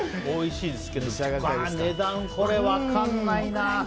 おいしいですけど値段は分からないな。